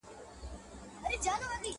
اوس به څوك راويښوي زاړه نكلونه!.